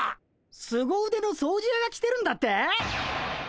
すご腕の掃除やが来てるんだって？